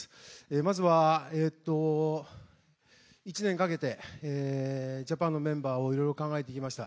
まずは１年かけて、ジャパンのメンバーをいろいろ考えてきました。